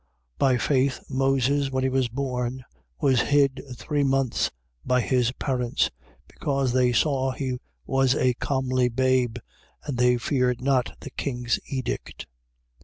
11:23. By faith Moses, when he was born, was hid three months by his parents: because they saw he was a comely babe, and they feared not the king's edict.